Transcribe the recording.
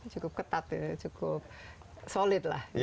cukup ketat cukup solid